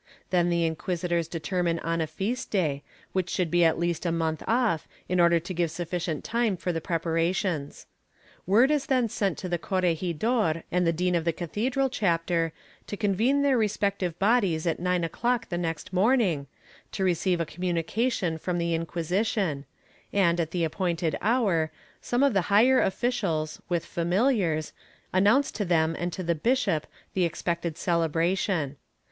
Then the inquisitors determine on a feast day, which should be at least a month off, in order to give sufficient time for the prepara tions. "Word is then sent to the corregidor and the dean of the cathedral chapter to convene their respective bodies at nine o'clock the next morning, to receive a communication from the Inquisi tion and, at the appointed hour, some of the higher officials, with familiars, announce to them and to the bishop the expected cele bration.